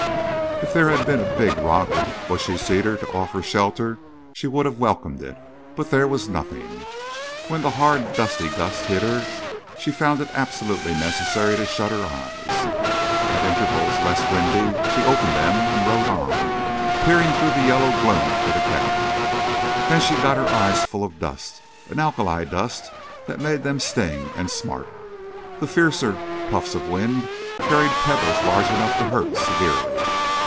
If there had been a big rock or bushy cedar to offer shelter she would have welcomed it. But there was nothing. When the hard dusty gusts hit her, she found it absolutely necessary to shut her eyes. At intervals less windy she opened them, and rode on, peering through the yellow gloom for the cabin. Thus she got her eyes full of dust—an alkali dust that made them sting and smart. The fiercer puffs of wind carried pebbles large enough to hurt severely.